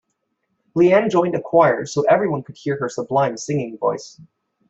Leanne joined a choir so everyone could hear her sublime singing voice.